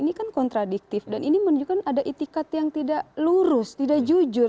ini kan kontradiktif dan ini menunjukkan ada itikat yang tidak lurus tidak jujur